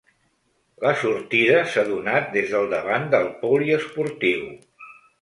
La sortida s’ha donat des del davant del poliesportiu.